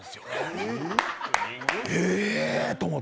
ええっと思って。